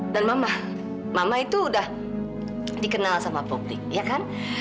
dan mama mama itu udah dikenal sama publik ya kan